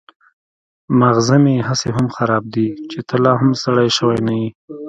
ماغزه مې هسې هم خراب دي چې ته لا هم سړی شوی نه يې.